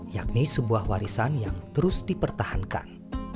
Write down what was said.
yakni sebuah warisan yang terus dipertahankan